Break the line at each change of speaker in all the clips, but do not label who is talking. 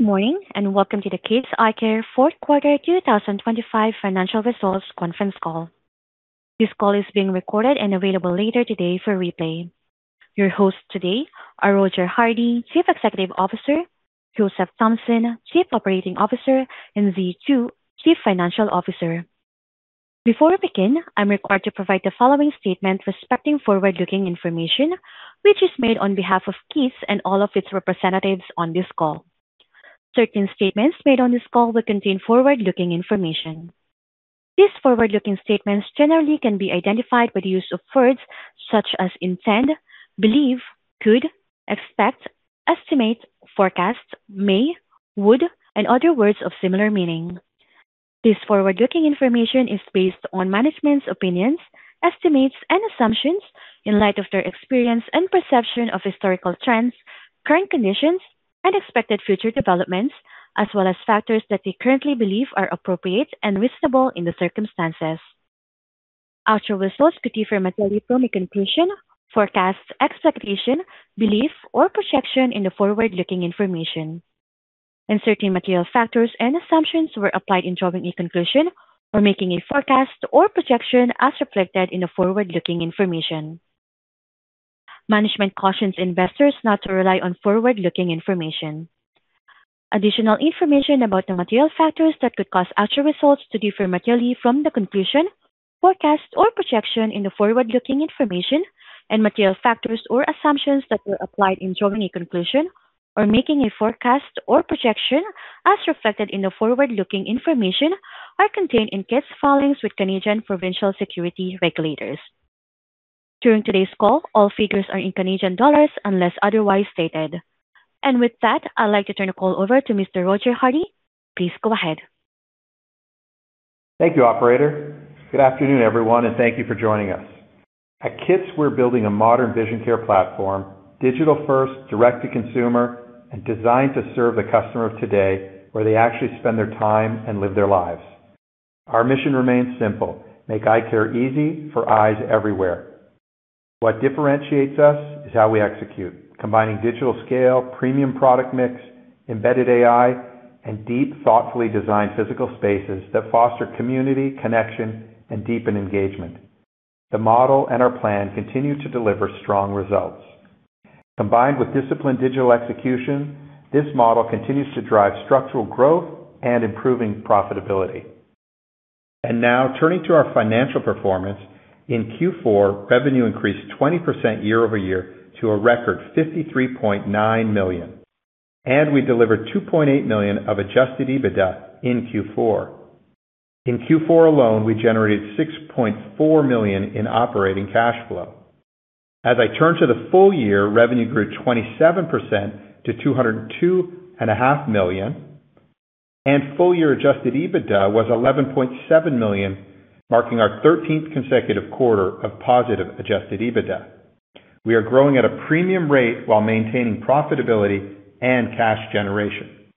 Morning, and welcome to the KITS Eyecare fourth quarter 2025 financial results conference call. This call is being recorded and available later today for replay. Your hosts today are Roger Hardy, Chief Executive Officer, Joseph Thompson, Chief Operating Officer, and Zhe Choo, Chief Financial Officer. Before we begin, I'm required to provide the following statement respecting forward-looking information, which is made on behalf of KITS and all of its representatives on this call. Certain statements made on this call will contain forward-looking information. These forward-looking statements generally can be identified with the use of words such as intend, believe, could, expect, estimate, forecast, may, would, and other words of similar meaning. This forward-looking information is based on management's opinions, estimates, and assumptions in light of their experience and perception of historical trends, current conditions, and expected future developments, as well as factors that they currently believe are appropriate and reasonable in the circumstances. Actual results could differ materially from a conclusion, forecast, expectation, belief, or projection in the forward-looking information. Certain material factors and assumptions were applied in drawing a conclusion or making a forecast or projection as reflected in the forward-looking information. Management cautions investors not to rely on forward-looking information. Additional information about the material factors that could cause actual results to differ materially from the conclusion, forecast, or projection in the forward-looking information and material factors or assumptions that were applied in drawing a conclusion or making a forecast or projection as reflected in the forward-looking information are contained in KITS filings with Canadian provincial security regulators. During today's call, all figures are in Canadian dollars unless otherwise stated. With that, I'd like to turn the call over to Mr. Roger Hardy. Please go ahead.
Thank you, operator. Good afternoon, everyone, thank you for joining us. At KITS, we're building a modern vision care platform, digital first, direct to consumer, and designed to serve the customer of today where they actually spend their time and live their lives. Our mission remains simple: Make eyecare easy for eyes everywhere. What differentiates us is how we execute, combining digital scale, premium product mix, embedded AI, and deep, thoughtfully designed physical spaces that foster community, connection, and deepen engagement. The model, our plan continue to deliver strong results. Combined with disciplined digital execution, this model continues to drive structural growth and improving profitability. Now turning to our financial performance. In Q4, revenue increased 20% year-over-year to a record 53.9 million. We delivered 2.8 million of adjusted EBITDA in Q4. In Q4 alone, we generated 6.4 million in operating cash flow. As I turn to the full year, revenue grew 27% to 202.5 million, and full-year adjusted EBITDA was 11.7 million, marking our 13th consecutive quarter of positive adjusted EBITDA. We are growing at a premium rate while maintaining profitability and cash generation.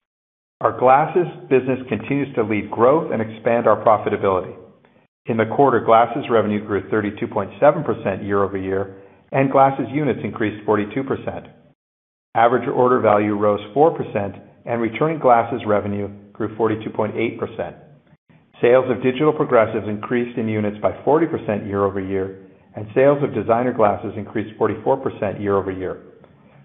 Our glasses business continues to lead growth and expand our profitability. In the quarter, glasses revenue grew 32.7% year-over-year, and glasses units increased 42%. Average order value rose 4%, and returning glasses revenue grew 42.8%. Sales of digital progressives increased in units by 40% year-over-year, and sales of designer glasses increased 44% year-over-year.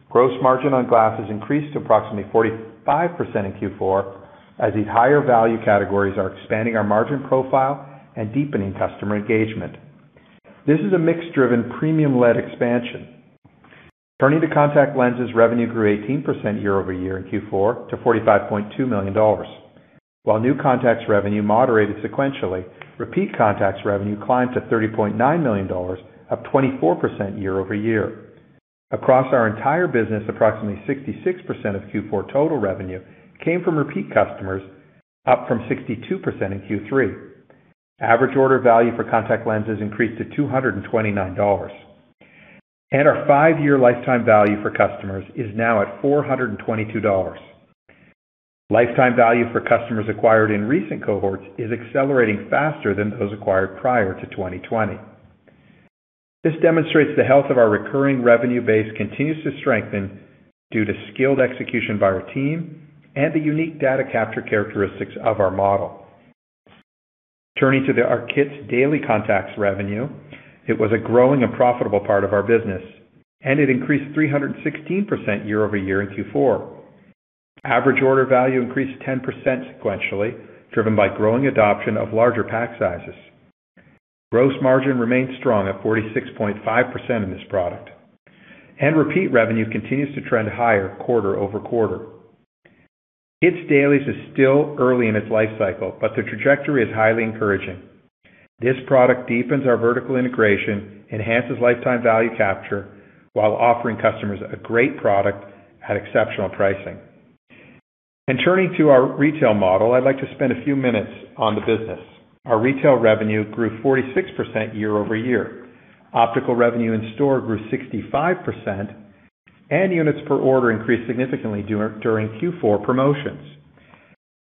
Gross margin on glasses increased to approximately 45% in Q4 as these higher value categories are expanding our margin profile and deepening customer engagement. This is a mix-driven, premium-led expansion. Turning to contact lenses, revenue grew 18% year-over-year in Q4 to 45.2 million dollars. While new contacts revenue moderated sequentially, repeat contacts revenue climbed to 30.9 million dollars, up 24% year-over-year. Across our entire business, approximately 66% of Q4 total revenue came from repeat customers, up from 62% in Q3. Average order value for contact lenses increased to 229 dollars. Our five-year lifetime value for customers is now at 422 dollars. Lifetime value for customers acquired in recent cohorts is accelerating faster than those acquired prior to 2020. This demonstrates the health of our recurring revenue base continues to strengthen due to skilled execution by our team and the unique data capture characteristics of our model. Turning to our KITS Daily contacts revenue, it was a growing and profitable part of our business, and it increased 316% year-over-year in Q4. Average order value increased 10% sequentially, driven by growing adoption of larger pack sizes. Gross margin remains strong at 46.5% in this product, and repeat revenue continues to trend higher quarter-over-quarter. KITS Dailies is still early in its life cycle, but the trajectory is highly encouraging. This product deepens our vertical integration, enhances lifetime value capture while offering customers a great product at exceptional pricing. Turning to our retail model, I'd like to spend a few minutes on the business. Our retail revenue grew 46% year-over-year. Optical revenue in store grew 65%. Units per order increased significantly during Q4 promotions.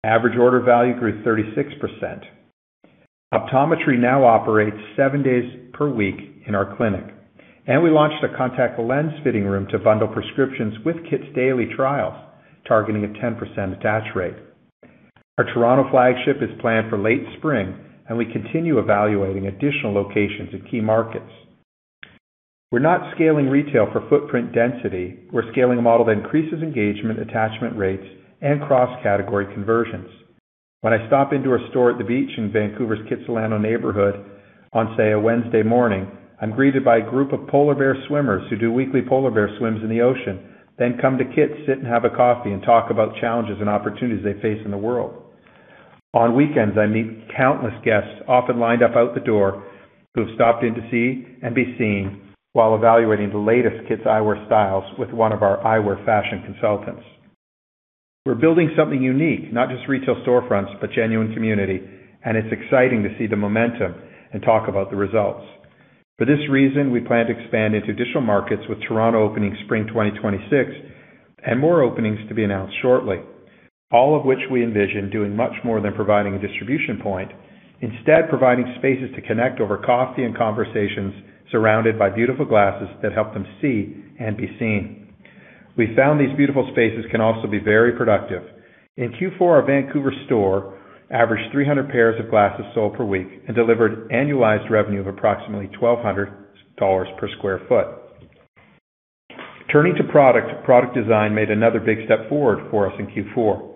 Average order value grew 36%. Optometry now operates seven days per week in our clinic. We launched a contact lens fitting room to bundle prescriptions with KITS Daily trials, targeting a 10% attach rate. Our Toronto flagship is planned for late spring. We continue evaluating additional locations in key markets. We're not scaling retail for footprint density. We're scaling a model that increases engagement, attachment rates, and cross-category conversions. When I stop into our store at the beach in Vancouver's Kitsilano neighborhood on, say, a Wednesday morning, I'm greeted by a group of Polar Bear swimmers who do weekly Polar Bear swims in the ocean, then come to KITS, sit and have a coffee, and talk about challenges and opportunities they face in the world. On weekends, I meet countless guests, often lined up out the door, who have stopped in to see and be seen while evaluating the latest KITS eyewear styles with one of our eyewear fashion consultants. We're building something unique, not just retail storefronts, but genuine community, and it's exciting to see the momentum and talk about the results. For this reason, we plan to expand into additional markets with Toronto opening spring 2026, and more openings to be announced shortly, all of which we envision doing much more than providing a distribution point. Instead, providing spaces to connect over coffee and conversations surrounded by beautiful glasses that help them see and be seen. We found these beautiful spaces can also be very productive. In Q4, our Vancouver store averaged 300 pairs of glasses sold per week and delivered annualized revenue of approximately 1,200 dollars per sq ft. Product design made another big step forward for us in Q4.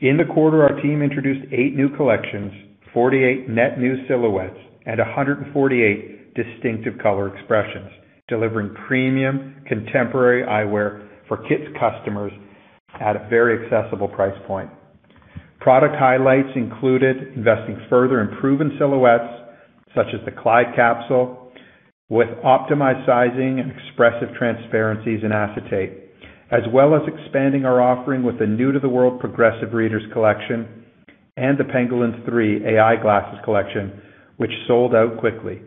In the quarter, our team introduced eight new collections, 48 net new silhouettes, and 148 distinctive color expressions, delivering premium contemporary eyewear for KITS customers at a very accessible price point. Product highlights included investing further in proven silhouettes such as the Clyde capsule with optimized sizing and expressive transparencies, acetate, as well as expanding our offering with the new to the world Progressive Readers collection and the Pangolin 3 AI glasses collection, which sold out quickly.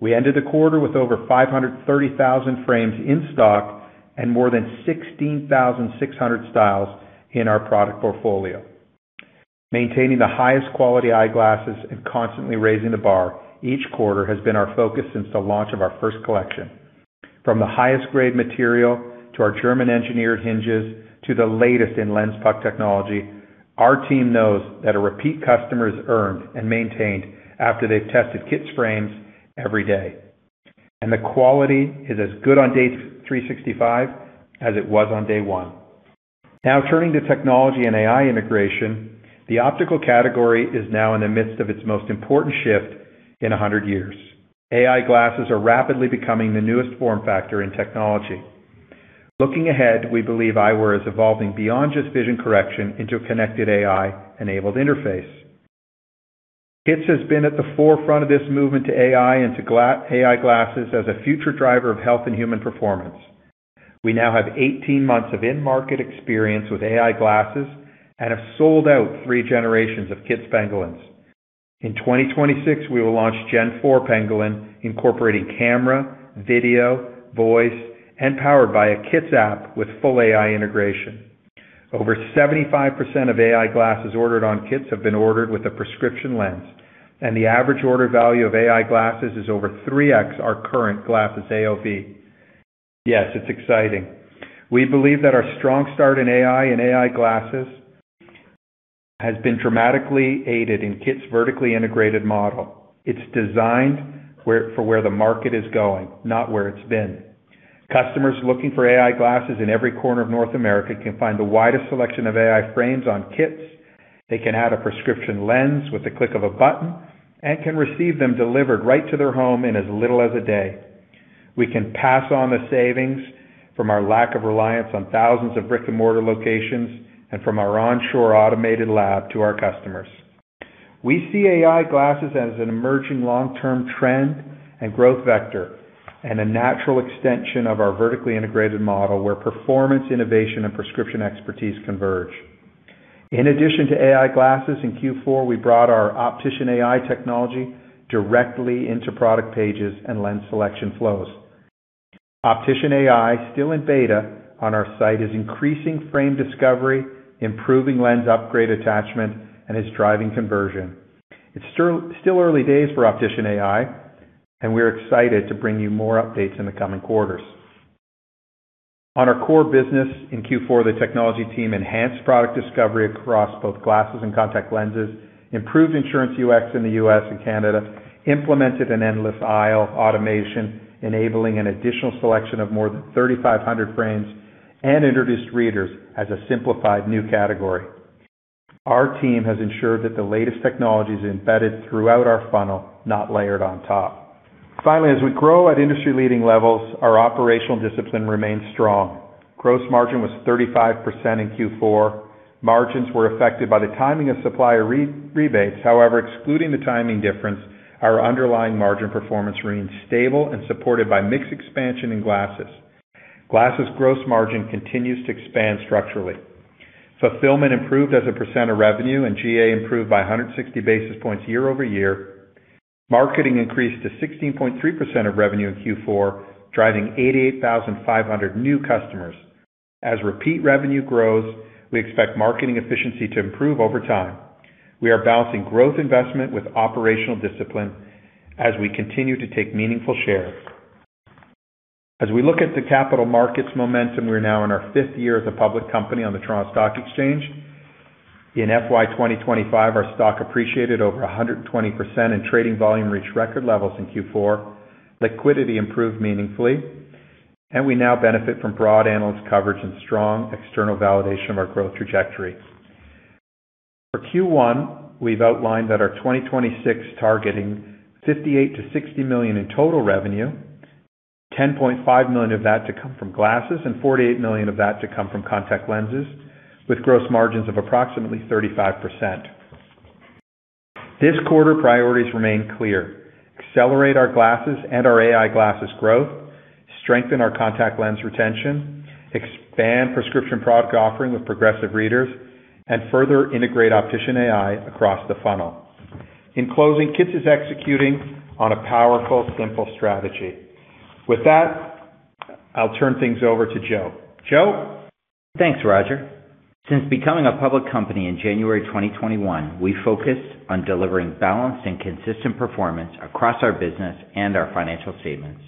We ended the quarter with over 530,000 frames in stock and more than 16,600 styles in our product portfolio. Maintaining the highest quality eyeglasses and constantly raising the bar each quarter has been our focus since the launch of our first collection. From the highest grade material, to our German engineered hinges, to the latest in lens puck technology, our team knows that a repeat customer is earned and maintained after they've tested KITS frames every day, and the quality is as good on day 365 as it was on day one. Turning to technology and AI integration, the optical category is now in the midst of its most important shift in 100 years. AI glasses are rapidly becoming the newest form factor in technology. Looking ahead, we believe eyewear is evolving beyond just vision correction into a connected AI-enabled interface. KITS has been at the forefront of this movement to AI, into AI glasses as a future driver of health and human performance. We now have 18 months of in-market experience with AI glasses and have sold out three generations of KITS Pangolins. In 2026, we will launch Gen 4 Pangolin, incorporating camera, video, voice, and powered by a KITS app with full AI integration. Over 75% of AI glasses ordered on KITS have been ordered with a prescription lens, and the average order value of AI glasses is over 3x our current glasses AOV. Yes, it's exciting. We believe that our strong start in AI and AI glasses has been dramatically aided in KITS vertically integrated model. It's designed for where the market is going, not where it's been. Customers looking for AI glasses in every corner of North America can find the widest selection of AI frames on KITS. They can add a prescription lens with the click of a button and can receive them delivered right to their home in as little as a day. We can pass on the savings from our lack of reliance on thousands of brick-and-mortar locations and from our onshore automated lab to our customers. We see AI glasses as an emerging long-term trend and growth vector and a natural extension of our vertically integrated model where performance, innovation, and prescription expertise converge. In addition to AI glasses, in Q4, we brought our OpticianAI technology directly into product pages and lens selection flows. OpticianAI, still in beta on our site, is increasing frame discovery, improving lens upgrade attachment, and is driving conversion. It's still early days for OpticianAI. We're excited to bring you more updates in the coming quarters. On our core business, in Q4, the technology team enhanced product discovery across both glasses and contact lenses, improved insurance UX in the U.S. and Canada, implemented an endless aisle automation enabling an additional selection of more than 3,500 frames, and introduced readers as a simplified new category. Our team has ensured that the latest technology is embedded throughout our funnel, not layered on top. Finally, as we grow at industry leading levels, our operational discipline remains strong. Gross margin was 35% in Q4. Margins were affected by the timing of supplier rebates. Excluding the timing difference, our underlying margin performance remains stable and supported by mix expansion in glasses. Glasses gross margin continues to expand structurally. Fulfillment improved as a percent of revenue, and GA improved by 160 basis points year-over-year. Marketing increased to 16.3% of revenue in Q4, driving 88,500 new customers. Repeat revenue grows, we expect marketing efficiency to improve over time. We are balancing growth investment with operational discipline as we continue to take meaningful share. We look at the capital markets momentum, we're now in our 5th year as a public company on the Toronto Stock Exchange. In FY 2025, our stock appreciated over 120% and trading volume reached record levels in Q4. Liquidity improved meaningfully. We now benefit from broad analyst coverage and strong external validation of our growth trajectory. For Q1, we've outlined that our 2026 targeting 58 million-60 million in total revenue, 10.5 million of that to come from glasses and 48 million of that to come from contact lenses with gross margins of approximately 35%. This quarter, priorities remain clear. Accelerate our glasses and our AI glasses growth, strengthen our contact lens retention, expand prescription product offering with Progressive Readers, and further integrate OpticianAI across the funnel. In closing, KITS is executing on a powerful, simple strategy. With that, I'll turn things over to Joe. Joe.
Thanks, Roger. Since becoming a public company in January 2021, we focused on delivering balanced and consistent performance across our business and our financial statements.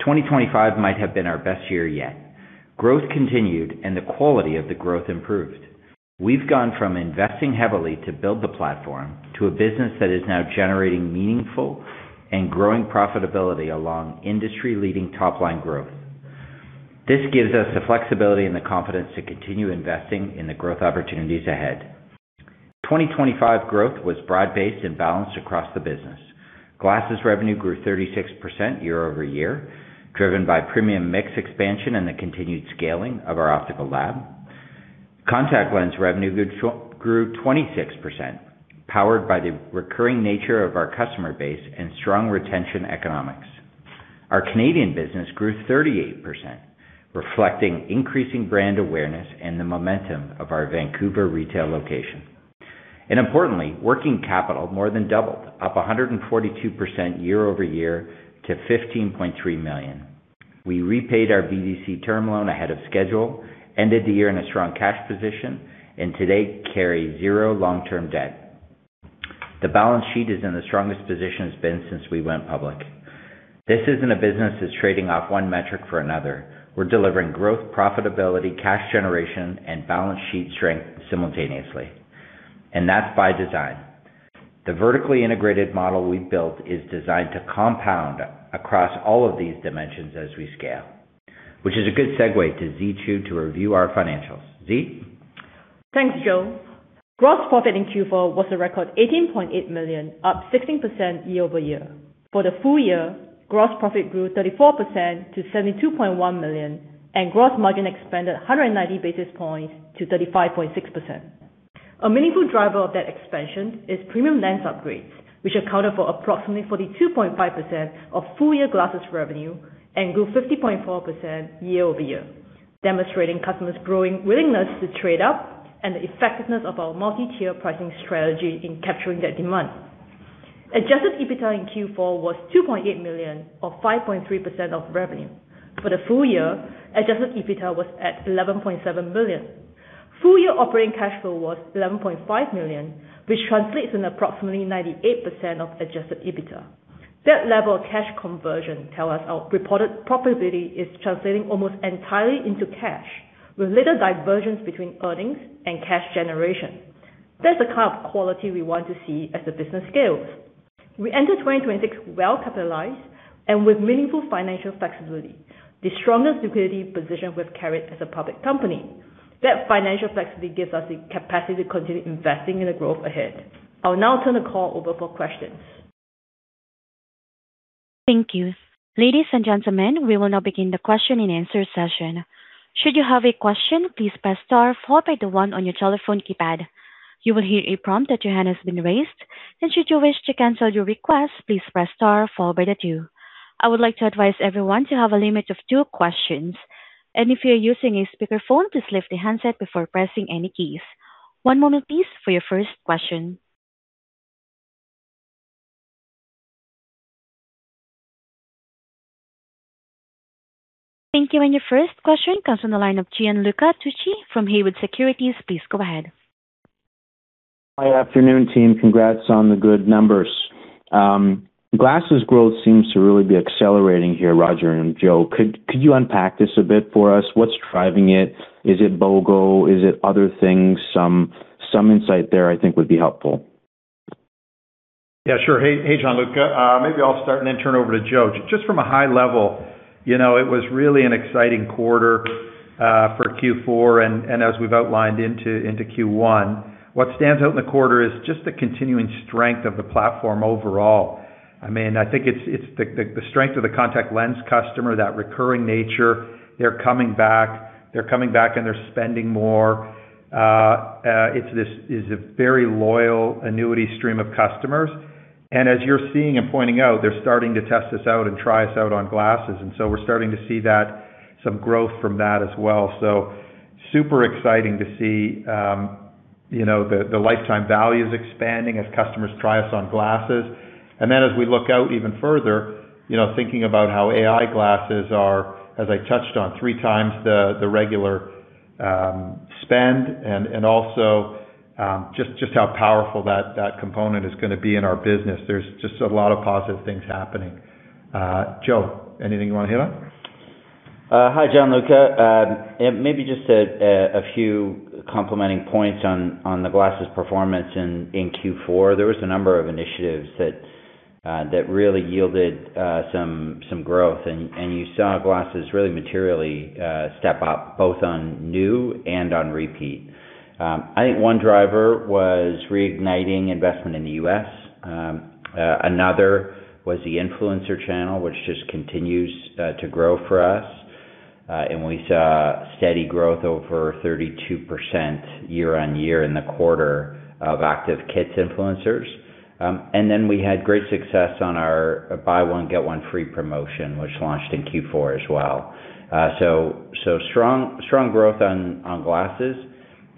2025 might have been our best year yet. Growth continued and the quality of the growth improved. We've gone from investing heavily to build the platform to a business that is now generating meaningful and growing profitability along industry-leading top-line growth. This gives us the flexibility and the confidence to continue investing in the growth opportunities ahead. 2025 growth was broad-based and balanced across the business. Glasses revenue grew 36% year-over-year, driven by premium mix expansion and the continued scaling of our optical lab. Contact lens revenue grew 26%, powered by the recurring nature of our customer base and strong retention economics. Our Canadian business grew 38%, reflecting increasing brand awareness and the momentum of our Vancouver retail location. Importantly, working capital more than doubled, up 142% year-over-year to 15.3 million. We repaid our BDC term loan ahead of schedule, ended the year in a strong cash position, today carry zero long-term debt. The balance sheet is in the strongest position it's been since we went public. This isn't a business that's trading off 1 metric for another. We're delivering growth, profitability, cash generation, and balance sheet strength simultaneously. That's by design. The vertically integrated model we've built is designed to compound across all of these dimensions as we scale, which is a good segue to Zhe Choo to review our financials. Zhe.
Thanks, Joe. Gross profit in Q4 was a record 18.8 million, up 16% year-over-year. For the full year, gross profit grew 34% to 72.1 million, and gross margin expanded 190 basis points to 35.6%. A meaningful driver of that expansion is premium lens upgrades, which accounted for approximately 42.5% of full-year glasses revenue and grew 50.4% year-over-year, demonstrating customers' growing willingness to trade up and the effectiveness of our multi-tier pricing strategy in capturing that demand. Adjusted EBITDA in Q4 was 2.8 million, or 5.3% of revenue. For the full year, Adjusted EBITDA was at 11.7 million. Full-year operating cash flow was 11.5 million, which translates in approximately 98% of adjusted EBITDA. That level of cash conversion tells us our reported profitability is translating almost entirely into cash, with little divergence between earnings and cash generation. That's the kind of quality we want to see as the business scales. We enter 2026 well-capitalized and with meaningful financial flexibility, the strongest liquidity position we've carried as a public company. That financial flexibility gives us the capacity to continue investing in the growth ahead. I'll now turn the call over for questions.
Thank you. Ladies and gentlemen, we will now begin the question and answer session. Should you have a question, please press star followed by the one on your telephone keypad. You will hear a prompt that your hand has been raised. Should you wish to cancel your request, please press star followed by the two. I would like to advise everyone to have a limit of two questions. If you're using a speakerphone, please lift the handset before pressing any keys. One moment please for your first question. Thank you. Your first question comes from the line of Gianluca Tucci from Haywood Securities. Please go ahead.
Hi. Afternoon, team. Congrats on the good numbers. Glasses growth seems to really be accelerating here, Roger and Joe. Could you unpack this a bit for us? What's driving it? Is it BOGO? Is it other things? Some insight there I think would be helpful.
Yeah, sure. Hey, hey, Gianluca. Maybe I'll start and then turn over to Joe. Just from a high level, you know, it was really an exciting quarter for Q4, and as we've outlined into Q1. What stands out in the quarter is just the continuing strength of the platform overall. I mean, I think it's the, the strength of the contact lens customer, that recurring nature. They're coming back. They're coming back, and they're spending more. It's a very loyal annuity stream of customers. As you're seeing and pointing out, they're starting to test us out and try us out on glasses. We're starting to see that, some growth from that as well. Super exciting to see, you know, the lifetime value is expanding as customers try us on glasses. As we look out even further, you know, thinking about how AI glasses are, as I touched on, three times the regular spend and also just how powerful that component is gonna be in our business. There's just a lot of positive things happening. Joe, anything you wanna hit on?
Hi, Gianluca. Maybe just a few complementing points on the glasses performance in Q4. There was a number of initiatives that really yielded some growth and you saw glasses really materially step up both on new and on repeat. I think one driver was reigniting investment in the U.S. Another was the influencer channel, which just continues to grow for us. We saw steady growth over 32% year-on-year in the quarter of active KITS influencers. Then we had great success on our buy one, get one free promotion, which launched in Q4 as well. Strong growth on glasses.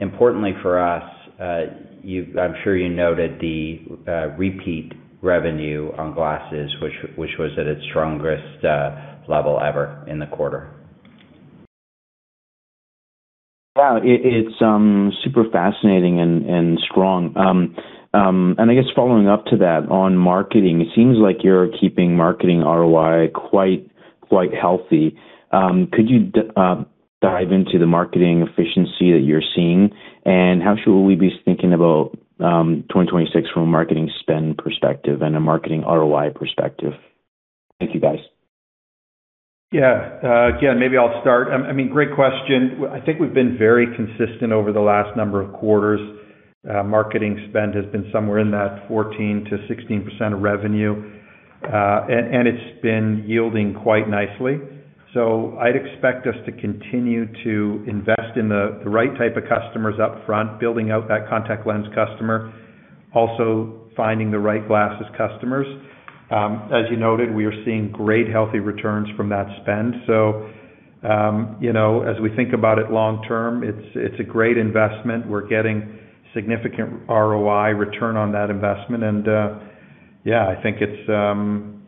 Importantly for us, I'm sure you noted the repeat revenue on glasses, which was at its strongest level ever in the quarter.
Wow. It's super fascinating and strong. I guess following up to that, on marketing, it seems like you're keeping marketing ROI quite healthy. Could you dive into the marketing efficiency that you're seeing, and how should we be thinking about 2026 from a marketing spend perspective and a marketing ROI perspective? Thank you, guys.
Again, maybe I'll start. I mean, great question. I think we've been very consistent over the last number of quarters. Marketing spend has been somewhere in that 14%-16% of revenue, and it's been yielding quite nicely. I'd expect us to continue to invest in the right type of customers up front, building out that contact lens customer, also finding the right glasses customers. As you noted, we are seeing great healthy returns from that spend. You know, as we think about it long term, it's a great investment. We're getting significant ROI return on that investment. I think it's,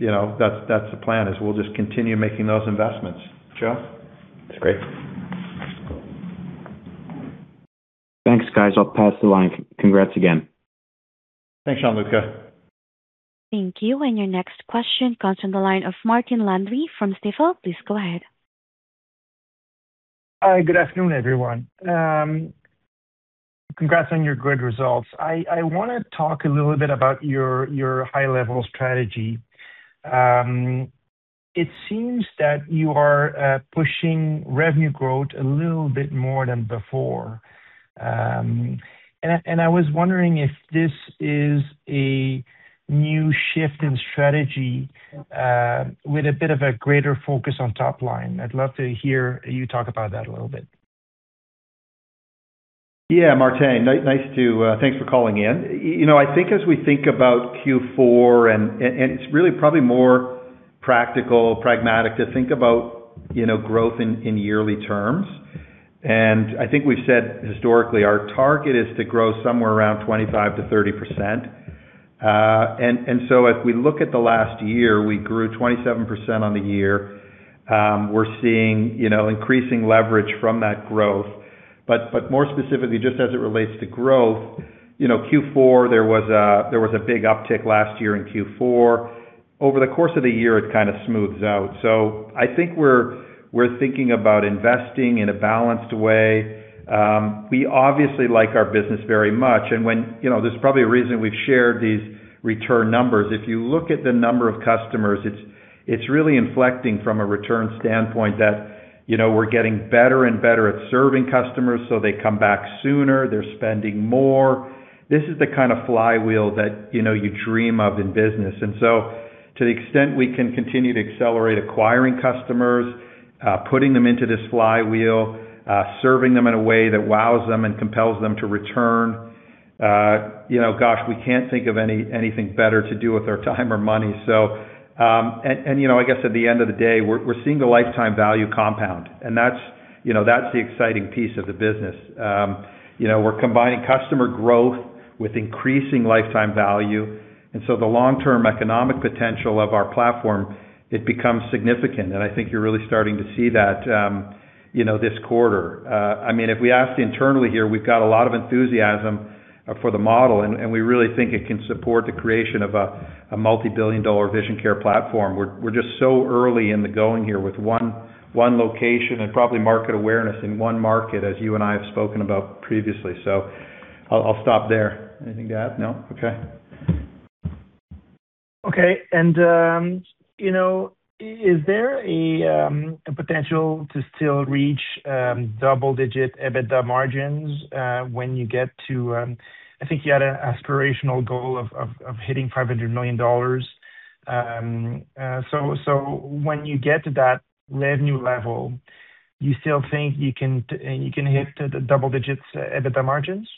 you know, that's the plan, is we'll just continue making those investments. Joe?
That's great.
Thanks, guys. I'll pass the line. Congrats again.
Thanks, Gianluca.
Thank you. Your next question comes from the line of Martin Landry from Stifel. Please go ahead.
Hi. Good afternoon, everyone. congrats on your good results. I wanna talk a little bit about your high level strategy. it seems that you are, pushing revenue growth a little bit more than before. I was wondering if this is a new shift in strategy, with a bit of a greater focus on top line. I'd love to hear you talk about that a little bit.
Yeah, Martin. Nice to... Thanks for calling in. You know, I think as we think about Q4, it's really probably more practical, pragmatic to think about, you know, growth in yearly terms. I think we've said historically, our target is to grow somewhere around 25%-30%. If we look at the last year, we grew 27% on the year. We're seeing, you know, increasing leverage from that growth. More specifically, just as it relates to growth, you know, Q4, there was a big uptick last year in Q4. Over the course of the year, it kind of smooths out. I think we're thinking about investing in a balanced way. We obviously like our business very much, and when... You know, there's probably a reason we've shared these return numbers. If you look at the number of customers, it's really inflecting from a return standpoint that, you know, we're getting better and better at serving customers, so they come back sooner, they're spending more. This is the kind of flywheel that, you know, you dream of in business. To the extent we can continue to accelerate acquiring customers, putting them into this flywheel, serving them in a way that wows them and compels them to return, you know, gosh, we can't think of anything better to do with our time or money. And, you know, I guess at the end of the day, we're seeing the lifetime value compound, and that's, you know, that's the exciting piece of the business. You know, we're combining customer growth with increasing lifetime value. The long-term economic potential of our platform, it becomes significant, and I think you're really starting to see that, you know, this quarter. I mean, if we ask internally here, we've got a lot of enthusiasm for the model and we really think it can support the creation of a multi-billion dollar vision care platform. We're just so early in the going here with one location and probably market awareness in one market as you and I have spoken about previously. I'll stop there. Anything to add? No? Okay.
Okay. you know, is there a potential to still reach double-digit EBITDA margins when you get to I think you had a aspirational goal of hitting CAD 500 million? When you get to that revenue level, you still think you can hit the double digits EBITDA margins?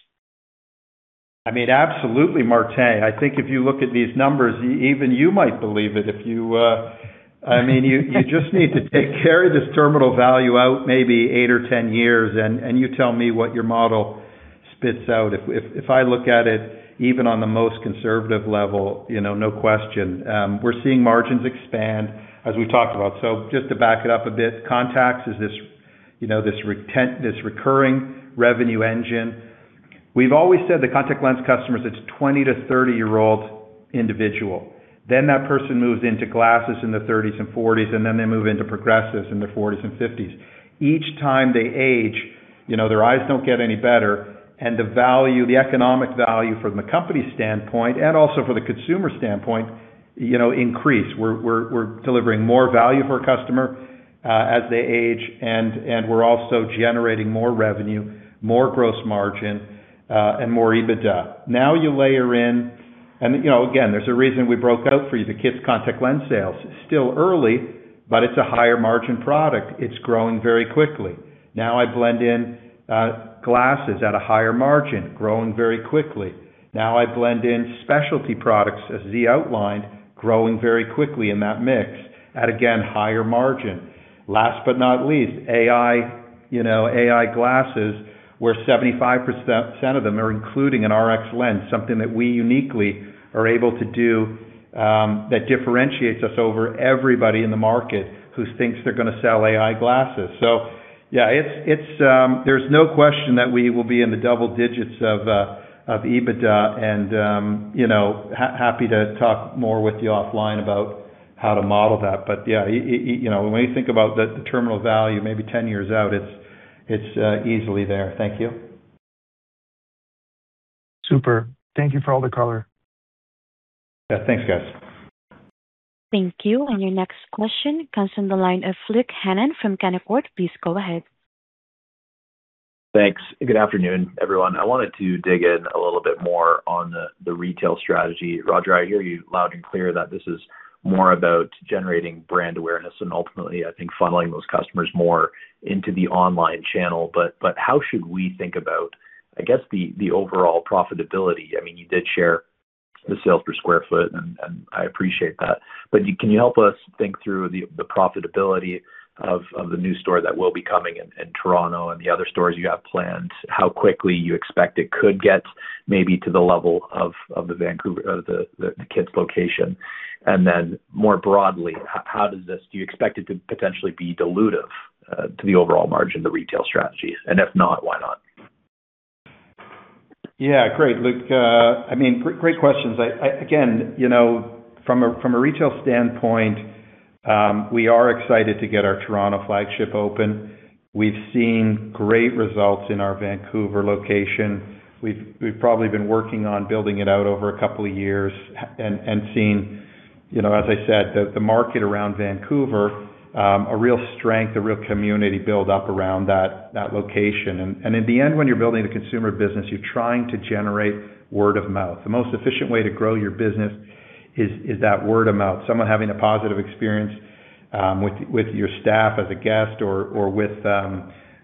I mean, absolutely, Martin. I think if you look at these numbers, even you might believe it if you, I mean, you just need to take care of this terminal value out maybe eight or 10 years, and you tell me what your model spits out. If I look at it even on the most conservative level, you know, no question. We're seeing margins expand as we talked about. Just to back it up a bit, contacts is this, you know, this recurring revenue engine. We've always said the contact lens customers, it's 20 to 30-year-old individual. That person moves into glasses in their 30s and 40s, and then they move into progressives in their 40s and 50s. Each time they age, you know, their eyes don't get any better, and the value, the economic value from the company standpoint and also from the consumer standpoint, you know, increase. We're delivering more value for a customer as they age, and we're also generating more revenue, more gross margin, and more EBITDA. Now you layer in. You know, again, there's a reason we broke out for you, the KITS' contact lens sales. It's still early, but it's a higher margin product. It's growing very quickly. Now I blend in glasses at a higher margin, growing very quickly. Now I blend in specialty products, as Zhe outlined, growing very quickly in that mix at, again, higher margin. Last but not least, AI, you know, AI glasses, where 75% of them are including an Rx lens, something that we uniquely are able to do, that differentiates us over everybody in the market who thinks they're gonna sell AI glasses. Yeah, it's, there's no question that we will be in the double digits of EBITDA and, you know, happy to talk more with you offline about how to model that. Yeah, you know, when you think about the terminal value maybe 10 years out, it's, easily there. Thank you.
Super. Thank you for all the color.
Yeah. Thanks, guys.
Thank you. Your next question comes from the line of Luke Hannan from Canaccord. Please go ahead.
Thanks. Good afternoon, everyone. I wanted to dig in a little bit more on the retail strategy. Roger, I hear you loud and clear that this is more about generating brand awareness and ultimately, I think, funneling those customers more into the online channel. How should we think about, I guess, the overall profitability? I mean, you did share the sales per square foot, and I appreciate that. Can you help us think through the profitability of the new store that will be coming in Toronto and the other stores you have planned, how quickly you expect it could get maybe to the level of the Vancouver or the KITS location? Then more broadly, how does this do you expect it to potentially be dilutive to the overall margin, the retail strategy? If not, why not?
Yeah. Great, Luke. I mean, great questions. Again, you know, from a, from a retail standpoint, we are excited to get our Toronto flagship open. We've seen great results in our Vancouver location. We've probably been working on building it out over a couple of years and seeing, you know, as I said, the market around Vancouver, a real strength, a real community build up around that location. In the end, when you're building a consumer business, you're trying to generate word of mouth. The most efficient way to grow your business is that word of mouth. Someone having a positive experience with your staff as a guest or with,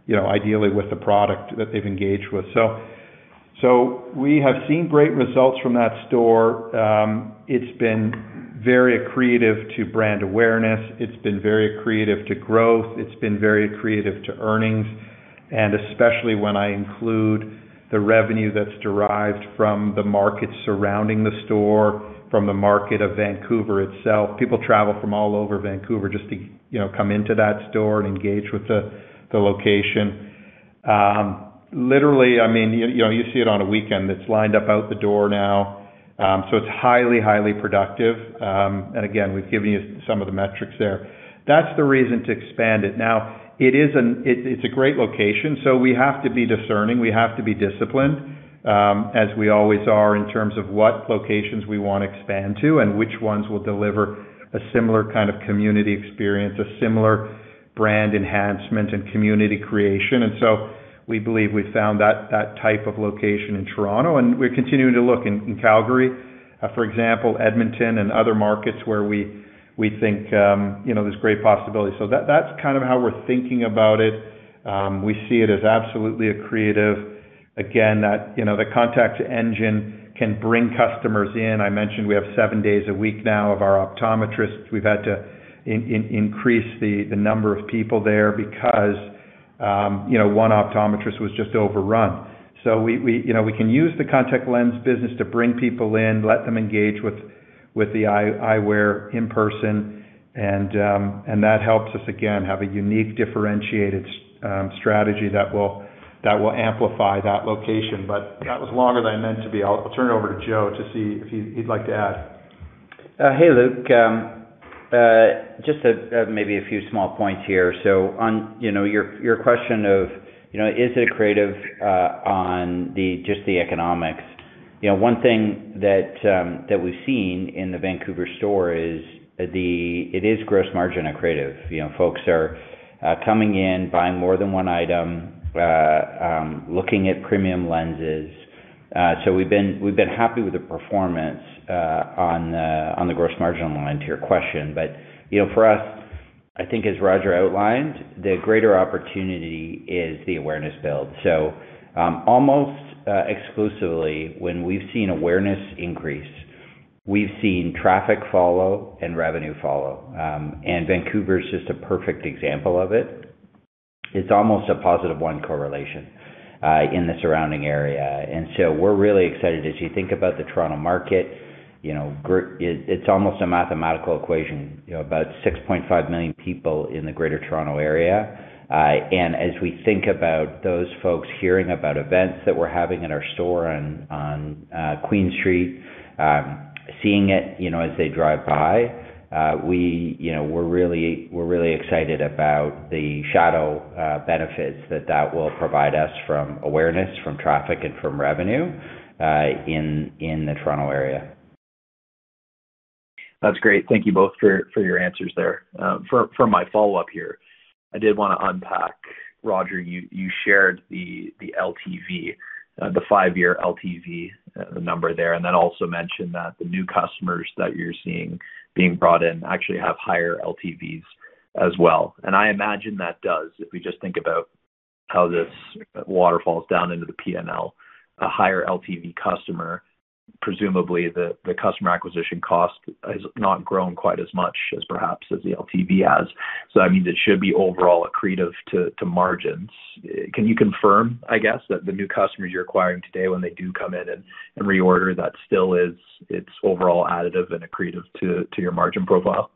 you know, ideally with the product that they've engaged with. We have seen great results from that store. It's been very accretive to brand awareness. It's been very accretive to growth. It's been very accretive to earnings. Especially when I include the revenue that's derived from the market surrounding the store, from the market of Vancouver itself. People travel from all over Vancouver just to come into that store and engage with the location. Literally, you see it on a weekend. It's lined up out the door now. It's highly productive. Again, we've given you some of the metrics there. That's the reason to expand it. It's a great location, so we have to be discerning, we have to be disciplined, as we always are in terms of what locations we wanna expand to and which ones will deliver a similar kind of community experience, a similar brand enhancement and community creation. We believe we found that type of location in Toronto, and we're continuing to look in Calgary, for example, Edmonton and other markets where we think, you know, there's great possibility. That's kind of how we're thinking about it. We see it as absolutely accretive. Again, that, you know, the contact engine can bring customers in. I mentioned we have seven days a week now of our optometrists. We've had to increase the number of people there because, you know, one optometrist was just overrun. We, you know, we can use the contact lens business to bring people in, let them engage with eyewear in person, that helps us, again, have a unique, differentiated strategy that will amplify that location. That was longer than I meant to be. I'll turn it over to Joe to see if he'd like to add.
Hey, Luke. Just maybe a few small points here. On, you know, your question of, you know, is it accretive on the just the economics. You know, one thing that we've seen in the Vancouver store is it is gross margin accretive. You know, folks are coming in, buying more than one item, looking at premium lenses. We've been happy with the performance on the gross margin line to your question. You know, for us I think as Roger outlined, the greater opportunity is the awareness build. Almost exclusively when we've seen awareness increase, we've seen traffic follow and revenue follow. Vancouver is just a perfect example of it. It's almost a positive one correlation in the surrounding area. We're really excited. As you think about the Toronto market, you know, it's almost a mathematical equation, you know, about 6.5 million people in the Greater Toronto area. As we think about those folks hearing about events that we're having in our store on Queen Street, seeing it, you know, as they drive by, we, you know, we're really excited about the shadow benefits that that will provide us from awareness, from traffic, and from revenue in the Toronto area.
That's great. Thank you both for your answers there. For my follow-up here, I did wanna unpack, Roger, you shared the LTV, the five-year LTV number there, and then also mentioned that the new customers that you're seeing being brought in actually have higher LTVs as well. I imagine that does, if we just think about how this waterfalls down into the P&L, a higher LTV customer, presumably the customer acquisition cost has not grown quite as much as perhaps as the LTV has. That means it should be overall accretive to margins. Can you confirm, I guess, that the new customers you're acquiring today, when they do come in and reorder that it's overall additive and accretive to your margin profile?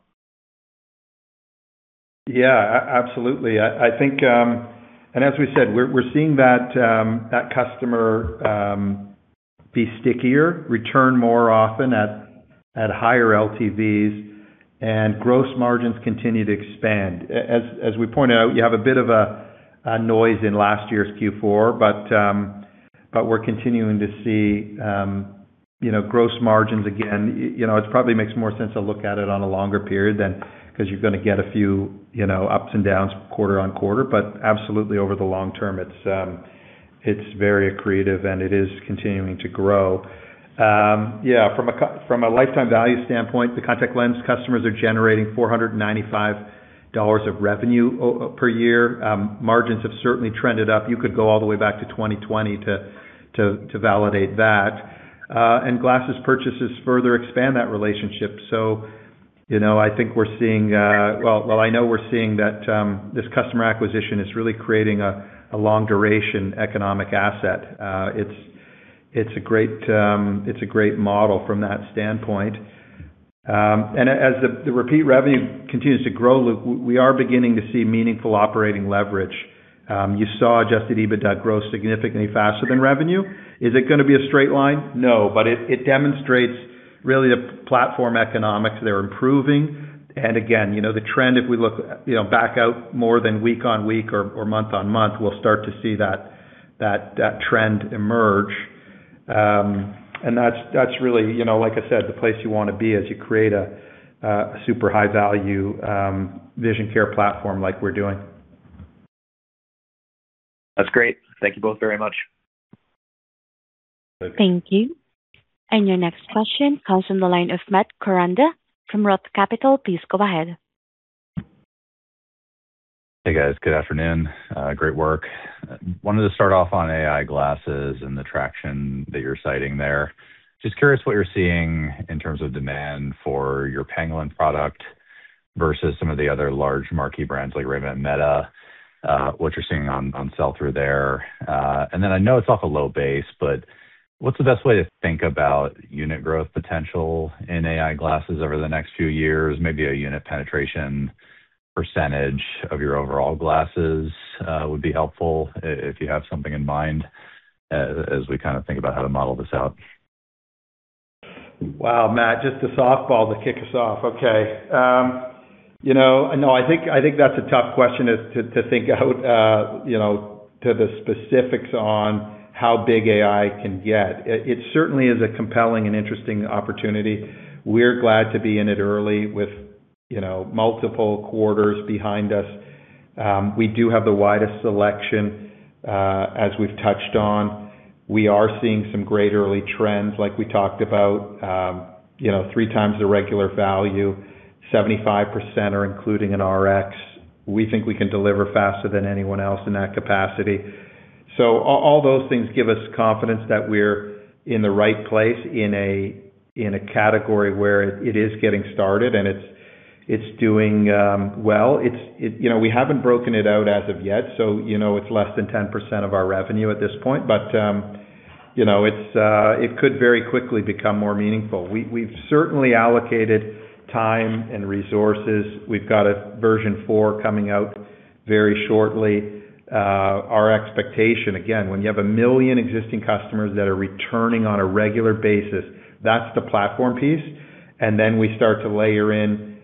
Absolutely. I think, and as we said, we're seeing that customer be stickier, return more often at higher LTVs, and gross margins continue to expand. As we pointed out, you have a bit of a noise in last year's Q4, we're continuing to see, you know, gross margins again. You know, it probably makes more sense to look at it on a longer period. Cause you're gonna get a few, you know, ups and downs quarter on quarter. Absolutely, over the long term, it's very accretive, and it is continuing to grow. From a lifetime value standpoint, the contact lens customers are generating 495 dollars of revenue per year. Margins have certainly trended up. You could go all the way back to 2020 to validate that. Glasses purchases further expand that relationship. You know, I think we're seeing, Well, I know we're seeing that, this customer acquisition is really creating a long duration economic asset. It's a great model from that standpoint. As the repeat revenue continues to grow, Luke, we are beginning to see meaningful operating leverage. You saw adjusted EBITDA grow significantly faster than revenue. Is it gonna be a straight line? No, but it demonstrates really the platform economics. They're improving. Again, you know, the trend, if we look, you know, back out more than week-on-week or month-on-month, we'll start to see that trend emerge. That's really, you know, like I said, the place you want to be as you create a super high value vision care platform like we're doing.
That's great. Thank you both very much.
Okay.
Thank you. Your next question comes from the line of Matt Koranda from Roth Capital. Please go ahead.
Hey, guys. Good afternoon. Great work. Wanted to start off on AI glasses and the traction that you're citing there. Just curious what you're seeing in terms of demand for your Pangolin product versus some of the other large marquee brands like Ray-Ban Meta, what you're seeing on sell through there. I know it's off a low base, but what's the best way to think about unit growth potential in AI glasses over the next few years? Maybe a unit penetration percentage of your overall glasses would be helpful if you have something in mind as we kinda think about how to model this out.
Wow, Matt. Just a softball to kick us off. Okay. You know, no, I think that's a tough question is to think out, you know, to the specifics on how big AI can get. It certainly is a compelling and interesting opportunity. We're glad to be in it early with, you know, multiple quarters behind us. We do have the widest selection, as we've touched on. We are seeing some great early trends like we talked about, you know, three times the regular value, 75% are including an Rx. We think we can deliver faster than anyone else in that capacity. All those things give us confidence that we're in the right place in a category where it is getting started and it's doing well. It's you know, we haven't broken it out as of yet, so, you know, it's less than 10% of our revenue at this point. You know, it's, it could very quickly become more meaningful. We've certainly allocated time and resources. We've got a version 4 coming out very shortly. Our expectation again, when you have 1 million existing customers that are returning on a regular basis, that's the platform piece. We start to layer in,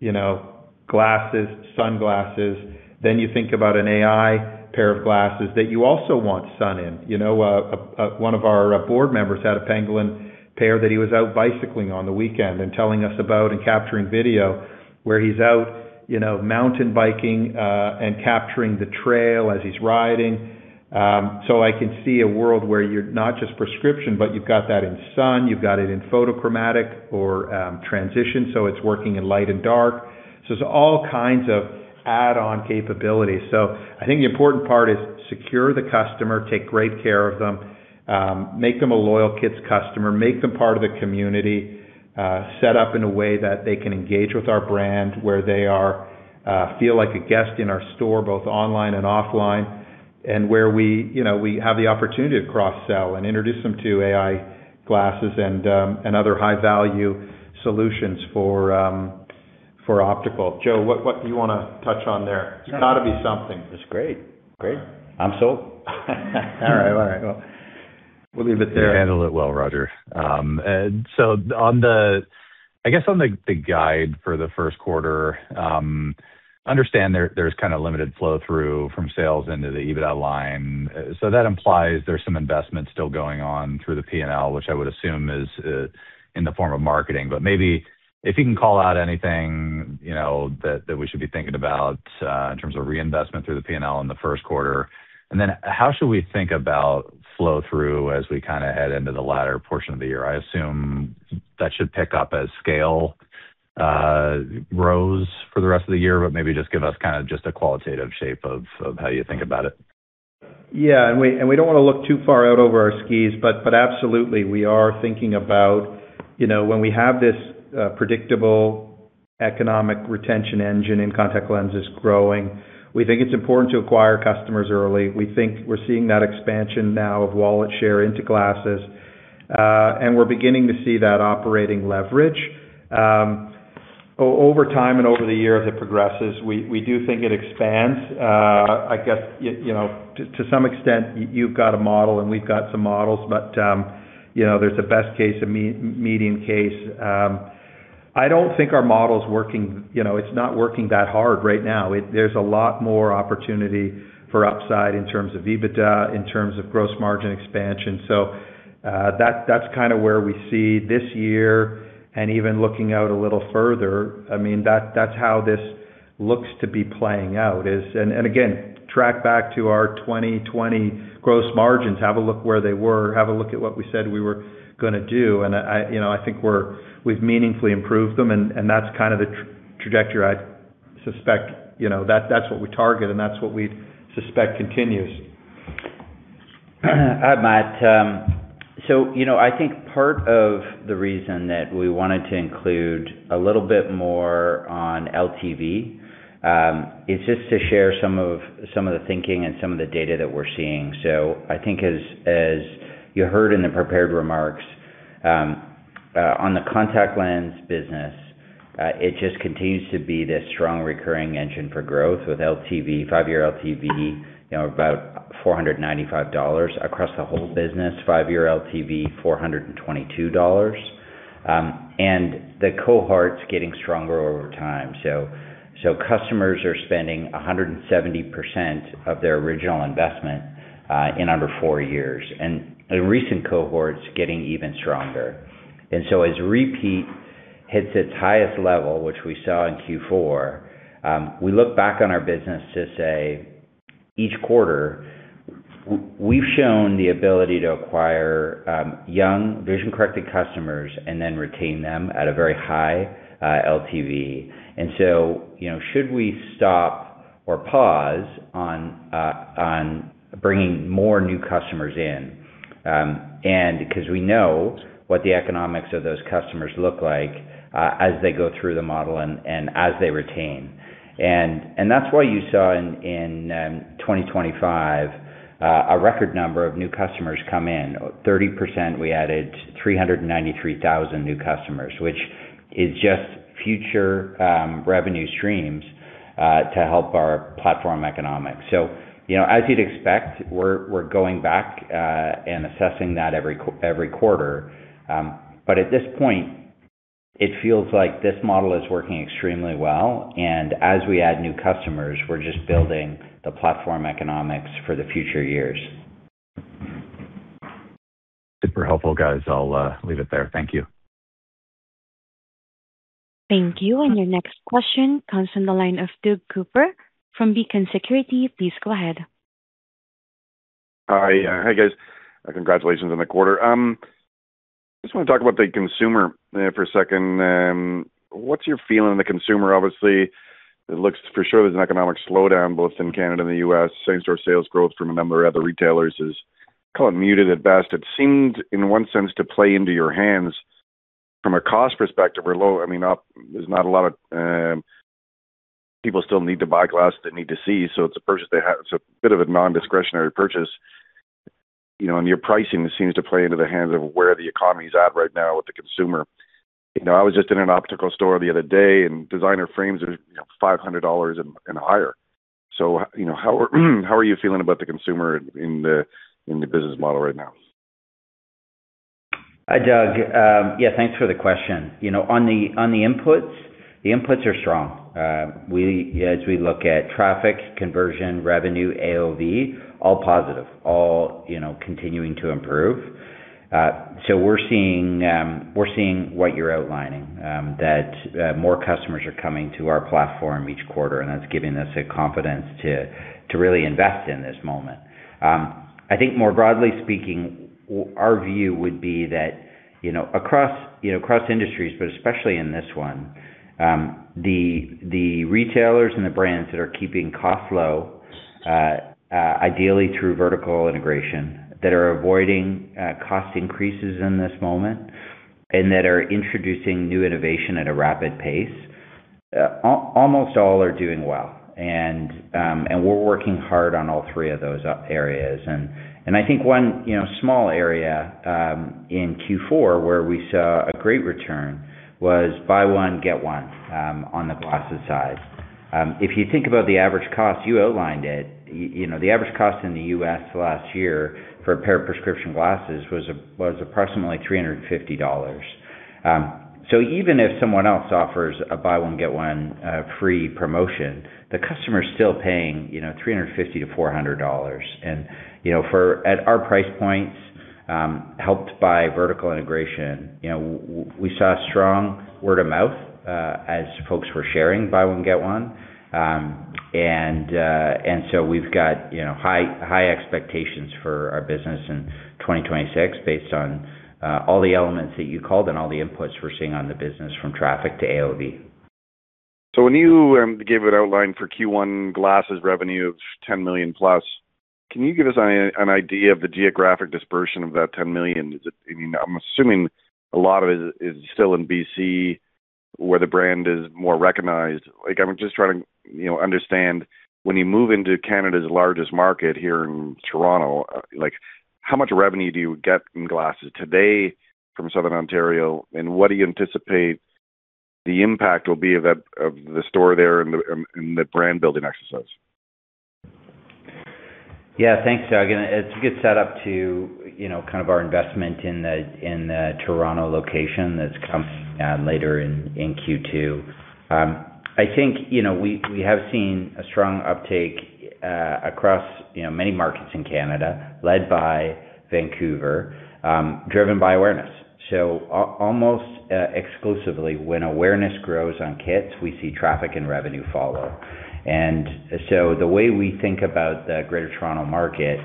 you know, glasses, sunglasses. You think about an AI pair of glasses that you also want sun in. You know, one of our board members had a Pangolin pair that he was out bicycling on the weekend and telling us about and capturing video where he's out, you know, mountain biking and capturing the trail as he's riding. I can see a world where you're not just prescription, but you've got that in sun, you've got it in photochromic or transition, so it's working in light and dark. It's all kinds of add-on capabilities. I think the important part is secure the customer, take great care of them, make them a loyal KITS customer, make them part of the community, set up in a way that they can engage with our brand, where they are, feel like a guest in our store, both online and offline, and where we, you know, we have the opportunity to cross-sell and introduce them to AI glasses and other high-value solutions for optical. Joe, what do you wanna touch on there? There's gotta be something.
It's great. Great. I'm sold.
All right. All right. We'll leave it there.
You handled it well, Roger. I guess on the guide for the 1st quarter, understand there's kind of limited flow-through from sales into the EBITDA line. That implies there's some investment still going on through the P&L, which I would assume is in the form of marketing. Maybe if you can call out anything, you know, that we should be thinking about in terms of reinvestment through the P&L in the 1st quarter. How should we think about flow-through as we kinda head into the latter portion of the year? I assume that should pick up as scale grows for the rest of the year, but maybe just give us kinda just a qualitative shape of how you think about it.
Yeah. We don't wanna look too far out over our skis, absolutely, we are thinking about, you know, when we have this predictable economic retention engine in contact lenses growing, we think it's important to acquire customers early. We think we're seeing that expansion now of wallet share into glasses. We're beginning to see that operating leverage. Over time and over the year as it progresses, we do think it expands. I guess you know, to some extent, you've got a model and we've got some models, but, you know, there's a best case, a medium case. I don't think our model's working, you know, it's not working that hard right now. There's a lot more opportunity for upside in terms of EBITDA, in terms of gross margin expansion. That's kinda where we see this year, and even looking out a little further. I mean, that's how this looks to be playing out is... Again, track back to our 2020 gross margins, have a look where they were, have a look at what we said we were gonna do, and I, you know, I think we've meaningfully improved them. That's kind of the trajectory I suspect. You know, that's what we target. That's what we suspect continues.
Hi, Matt. You know, I think part of the reason that we wanted to include a little bit more on LTV, is just to share some of the thinking and some of the data that we're seeing. I think as you heard in the prepared remarks, on the contact lens business, it just continues to be this strong recurring engine for growth. With LTV, five-year LTV, you know, about 495 dollars across the whole business. Five-year LTV, 422 dollars. The cohort's getting stronger over time. Customers are spending 170% of their original investment, in under four years, and the recent cohort's getting even stronger. As repeat hits its highest level, which we saw in Q4, we look back on our business to say each quarter we've shown the ability to acquire young vision-corrected customers and then retain them at a very high LTV. You know, should we stop or pause on bringing more new customers in, and because we know what the economics of those customers look like as they go through the model and as they retain. That's why you saw in 2025 a record number of new customers come in. 30%, we added 393,000 new customers, which is just future revenue streams to help our platform economics. You know, as you'd expect, we're going back and assessing that every quarter. At this point, it feels like this model is working extremely well, and as we add new customers, we're just building the platform economics for the future years.
Super helpful, guys. I'll leave it there. Thank you.
Thank you. Your next question comes from the line of Doug Cooper from Beacon Securities. Please go ahead.
Hi. Hi, guys. Congratulations on the quarter. Just wanna talk about the consumer for a second. What's your feeling on the consumer? Obviously, it looks for sure there's an economic slowdown both in Canada and the U.S. Same-store sales growth from a number of other retailers is kind of muted at best. It seemed, in one sense, to play into your hands from a cost perspective or low. I mean, There's not a lot of people still need to buy glasses, they need to see. So it's a purchase they have. It's a bit of a non-discretionary purchase, you know, and your pricing seems to play into the hands of where the economy is at right now with the consumer. You know, I was just in an optical store the other day. Designer frames are, you know, 500 dollars and higher. you know, how are you feeling about the consumer in the business model right now?
Hi, Doug. Yeah, thanks for the question. You know, on the, on the inputs, the inputs are strong. We, as we look at traffic, conversion, revenue, AOV, all positive, all, you know, continuing to improve. We're seeing what you're outlining, that more customers are coming to our platform each quarter, and that's giving us the confidence to really invest in this moment. I think more broadly speaking, our view would be that, you know, across, you know, across industries, but especially in this one, the retailers and the brands that are keeping costs low, ideally through vertical integration, that are avoiding cost increases in this moment and that are introducing new innovation at a rapid pace, almost all are doing well. We're working hard on all three of those areas. I think one, you know, small area in Q4 where we saw a great return was buy one, get one on the glasses side. If you think about the average cost, you outlined it, you know, the average cost in the U.S. last year for a pair of prescription glasses was approximately 350 dollars. So even if someone else offers a buy one, get one free promotion, the customer is still paying, you know, 350-400 dollars. You know, at our price points, helped by vertical integration, you know, we saw strong word of mouth as folks were sharing buy one, get one. We've got, you know, high, high expectations for our business in 2026 based on all the elements that you called and all the inputs we're seeing on the business from traffic to AOV.
When you gave an outline for Q1 glasses revenue of 10 million+, can you give us an idea of the geographic dispersion of that 10 million? I mean, I'm assuming a lot of it is still in BC where the brand is more recognized. Like, I'm just trying to, you know, understand when you move into Canada's largest market here in Toronto, like how much revenue do you get from glasses today from Southern Ontario, and what do you anticipate the impact will be of that of the store there and the brand building exercise?
Yeah, thanks, Doug. It's a good set up to, you know, kind of our investment in the, in the Toronto location that's coming, later in Q2. I think, you know, we have seen a strong uptake, across, you know, many markets in Canada, led by Vancouver, driven by awareness. Almost exclusively, when awareness grows on KITS, we see traffic and revenue follow. The way we think about the Greater Toronto market,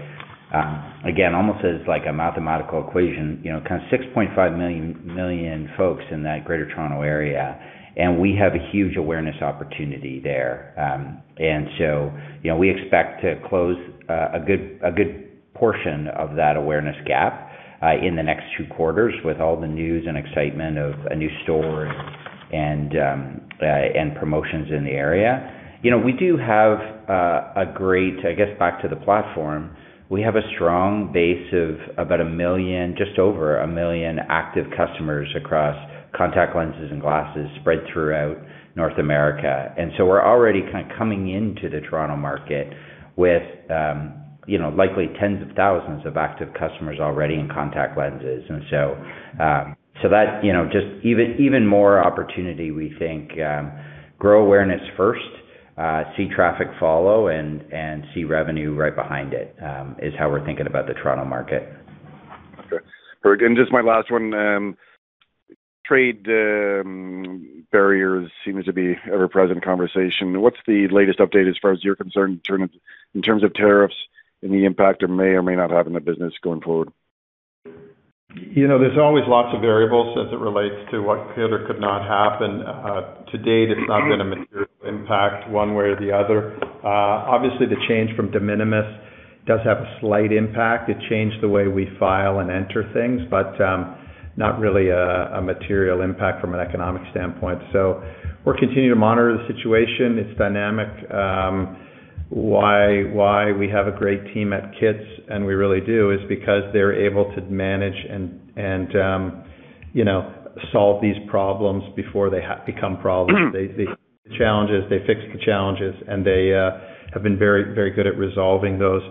again, almost as like a mathematical equation, you know, kind of 6.5 million folks in that Greater Toronto area, and we have a huge awareness opportunity there. You know, we expect to close a good portion of that awareness gap in the next two quarters with all the news and excitement of a new store and promotions in the area. You know, we do have a great. I guess back to the platform, we have a strong base of about 1 million, just over 1 million active customers across contact lenses and glasses spread throughout North America. We're already kind of coming into the Toronto market with, you know, likely tens of thousands of active customers already in contact lenses. So that, you know, just even more opportunity we think, grow awareness first, see traffic follow and see revenue right behind it, is how we're thinking about the Toronto market.
Okay. Perfect. Just my last one, trade barriers seems to be ever-present conversation. What's the latest update as far as you're concerned in terms of tariffs and the impact it may or may not have in the business going forward?
You know, there's always lots of variables as it relates to what could or could not happen. To date, it's not been a material impact one way or the other. Obviously, the change from de minimis does have a slight impact. It changed the way we file and enter things, but not really a material impact from an economic standpoint. We're continuing to monitor the situation. It's dynamic. Why we have a great team at KITS, and we really do, is because they're able to manage and, you know, solve these problems before they become problems. They see the challenges, they fix the challenges, and they have been very, very good at resolving those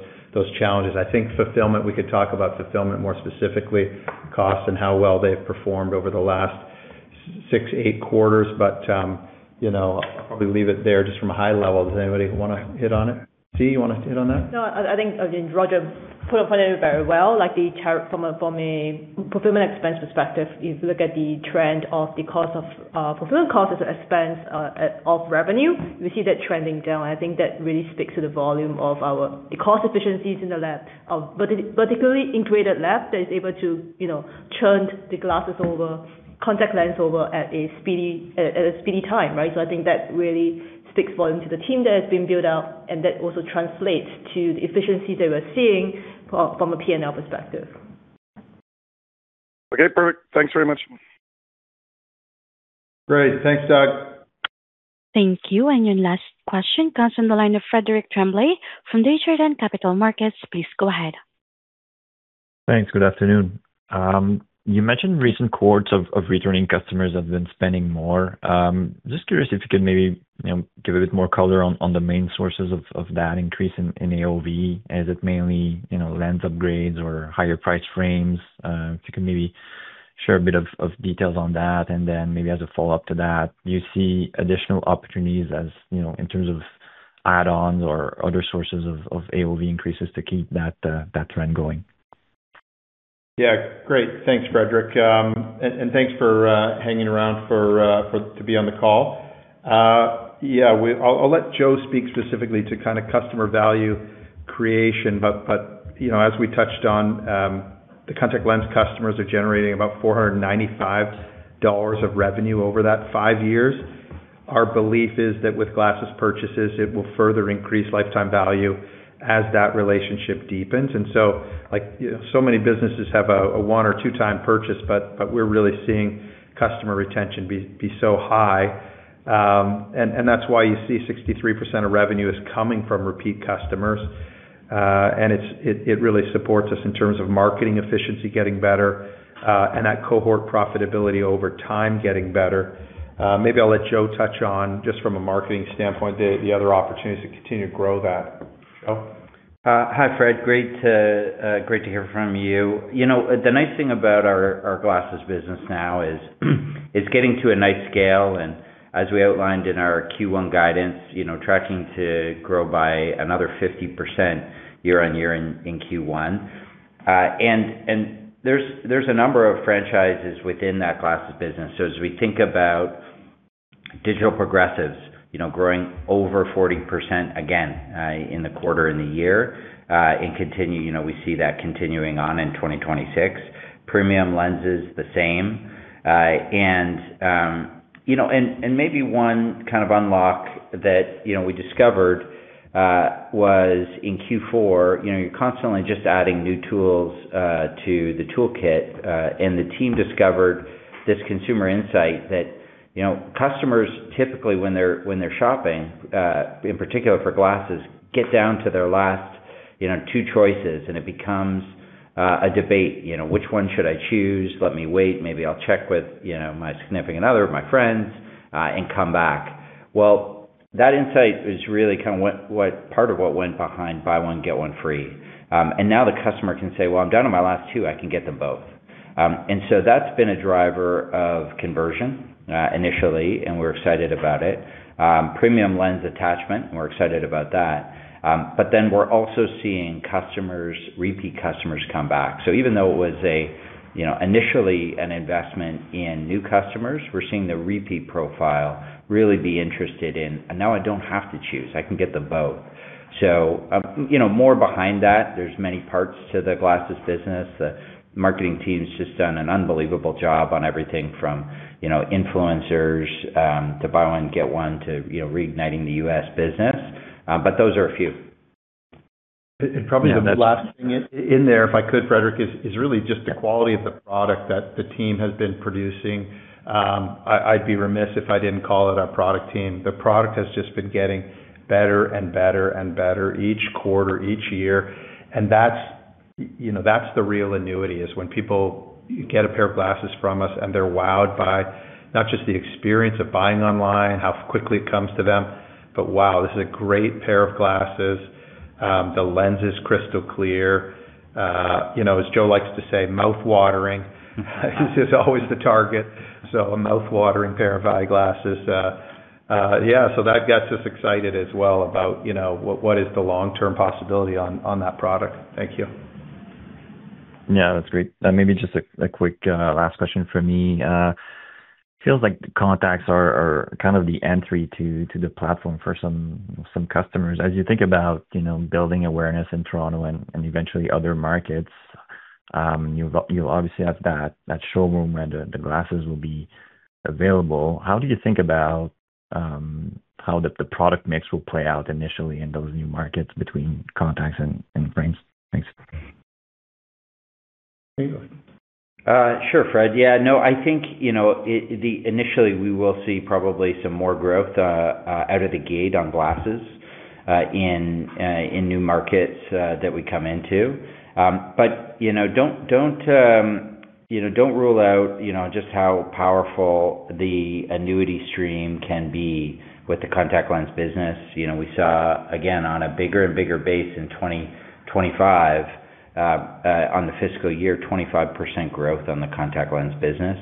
challenges. I think fulfillment, we could talk about fulfillment more specifically, cost and how well they've performed over the last six, eight quarters. You know, I'll probably leave it there just from a high level. Does anybody wanna hit on it? Zhe, you want us to hit on that?
No, I think, again, Roger put up on it very well, like the tariff from a fulfillment expense perspective. If you look at the trend of the cost of fulfillment cost as an expense of revenue, we see that trending down. I think that really speaks to the volume of our cost efficiencies in the lab, particularly integrated lab that is able to, you know, churn the glasses over, contact lens over at a speedy time, right? I think that really speaks volume to the team that has been built out, and that also translates to the efficiency that we're seeing from a P&L perspective.
Okay. Perfect. Thanks very much.
Great. Thanks, Doug.
Thank you. Your last question comes from the line of Frederic Tremblay from Desjardins Capital Markets. Please go ahead.
Thanks. Good afternoon. You mentioned recent cohorts of returning customers have been spending more. Just curious if you could maybe, you know, give a bit more color on the main sources of that increase in AOV. Is it mainly, you know, lens upgrades or higher price frames? If you can share a bit of details on that. Maybe as a follow-up to that, do you see additional opportunities as, you know, in terms of add-ons or other sources of AOV increases to keep that trend going?
Great. Thanks, Frederic. Thanks for hanging around for to be on the call. I'll let Joe speak specifically to kinda customer value creation but, you know, as we touched on, the contact lens customers are generating about 495 dollars of revenue over that five years. Our belief is that with glasses purchases, it will further increase lifetime value as that relationship deepens. Like so many businesses have a one or two-time purchase, but we're really seeing customer retention be so high. That's why you see 63% of revenue is coming from repeat customers. It's, it really supports us in terms of marketing efficiency getting better, and that cohort profitability over time getting better. Maybe I'll let Joe touch on, just from a marketing standpoint, the other opportunities to continue to grow that. Joe?
Hi, Fred. Great to hear from you. You know, the nice thing about our glasses business now is getting to a nice scale, and as we outlined in our Q1 guidance, you know, tracking to grow by another 50% year-on-year in Q1. There's a number of franchises within that glasses business. As we think about digital progressives, you know, growing over 40% again, in the quarter and the year, and continue, you know, we see that continuing on in 2026. Premium lenses, the same. You know, and maybe one kind of unlock that, you know, we discovered was in Q4, you know, you're constantly just adding new tools to the toolkit, and the team discovered this consumer insight that, you know, customers typically when they're, when they're shopping in particular for glasses, get down to their last, you know, two choices, and it becomes a debate, you know, which one should I choose? Let me wait. Maybe I'll check with, you know, my significant other, my friends, and come back. Well, that insight is really kind of what part of what went behind buy one, get one free. Now the customer can say, "Well, I'm down to my last two, I can get them both." That's been a driver of conversion initially, and we're excited about it. Premium lens attachment, and we're excited about that. We're also seeing customers, repeat customers come back. Even though it was a, you know, initially an investment in new customers, we're seeing the repeat profile really be interested in, "Now I don't have to choose. I can get them both." You know, more behind that, there's many parts to the glasses business. The marketing team's just done an unbelievable job on everything from, you know, influencers, to buy one, get one to, you know, reigniting the U.S. business. Those are a few.
Probably the last thing in there, if I could, Frederic, is really just the quality of the product that the team has been producing. I'd be remiss if I didn't call it our product team. The product has just been getting better and better each quarter, each year. That's, you know, that's the real annuity, is when people get a pair of glasses from us, and they're wowed by not just the experience of buying online, how quickly it comes to them, but wow, this is a great pair of glasses. The lens is crystal clear. You know, as Joe likes to say, mouth-watering. It's just always the target. A mouth-watering pair of eyeglasses. Yeah, so that gets us excited as well about, you know, what is the long-term possibility on that product. Thank you.
Yeah, that's great. Maybe just a quick last question from me. Feels like the contacts are kind of the entry to the platform for some customers. As you think about, you know, building awareness in Toronto and eventually other markets, you'll obviously have that showroom where the glasses will be available. How do you think about how the product mix will play out initially in those new markets between contacts and frames? Thanks.
You.
Sure, Fred. Yeah, no, I think, you know, the, initially, we will see probably some more growth out of the gate on glasses in new markets that we come into. Don't, you know, don't rule out, you know, just how powerful the annuity stream can be with the contact lens business. You know, we saw, again, on a bigger and bigger base in 2025 on the fiscal year, 25% growth on the contact lens business.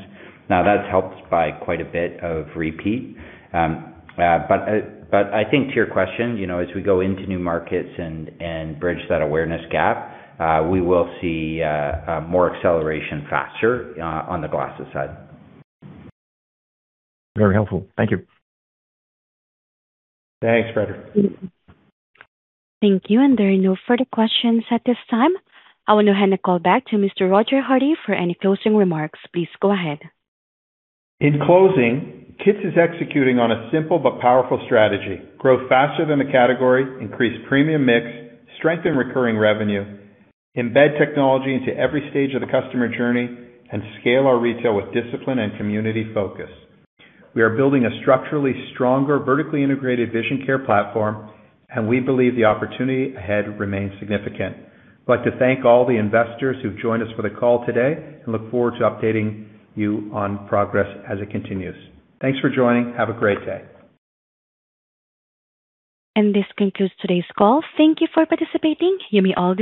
That's helped by quite a bit of repeat. I think to your question, you know, as we go into new markets and bridge that awareness gap, we will see more acceleration faster on the glasses side.
Very helpful. Thank you.
Thanks, Frederic.
Thank you. There are no further questions at this time. I will now hand the call back to Mr. Roger Hardy for any closing remarks. Please go ahead.
In closing, KITS is executing on a simple but powerful strategy, grow faster than the category, increase premium mix, strengthen recurring revenue, embed technology into every stage of the customer journey, and scale our retail with discipline and community focus. We are building a structurally stronger, vertically integrated vision care platform, and we believe the opportunity ahead remains significant. I'd like to thank all the investors who've joined us for the call today and look forward to updating you on progress as it continues. Thanks for joining. Have a great day.
This concludes today's call. Thank you for participating. You may all disconnect.